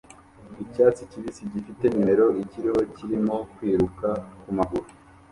Icyatsi kibisi gifite numero kiriho kirimo kwiruka kumaguru